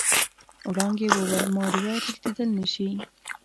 وړانګې وويل ماريا تښتېدل نشي.